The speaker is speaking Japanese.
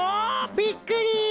びっくり！